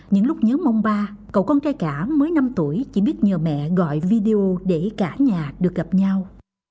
những lúc nhớ mong ba cậu con trai cả mới năm tuổi chỉ biết nhờ mẹ gọi video để cả nhà được gặp nhau